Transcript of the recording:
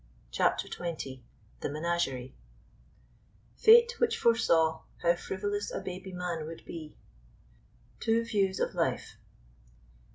CHAPTER XX The Menagerie Fate which foresaw How frivolous a baby man would be [Illustration: TWO VIEWS OF LIFE.